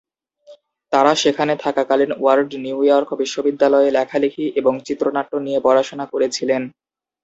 তারা সেখানে থাকাকালীন ওয়ার্ড নিউইয়র্ক বিশ্ববিদ্যালয়ে লেখালেখি এবং চিত্রনাট্য নিয়ে পড়াশোনা করেছিলেন।